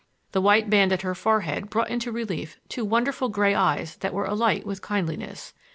The white band at her forehead brought into relief two wonderful gray eyes that were alight with kindliness.